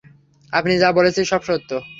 আমি যা বলেছি সব সত্য।